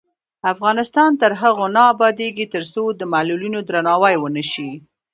افغانستان تر هغو نه ابادیږي، ترڅو د معلولینو درناوی ونشي.